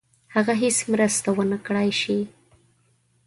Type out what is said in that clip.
هغه هیڅ مرسته ونه کړای سي.